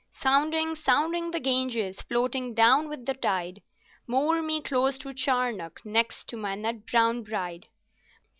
"Sounding, sounding the Ganges, floating down with the tide, Moore me close to Charnock, next to my nut brown bride.